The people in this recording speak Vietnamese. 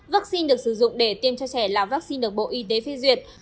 vaccine được sử dụng để tiêm cho trẻ là vaccine được bộ y tế phê duyệt